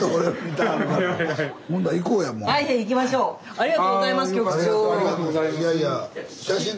ありがとうございます。